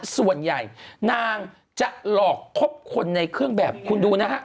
ส่วนใหญ่นางจะหลอกคบคนในเครื่องแบบคุณดูนะฮะ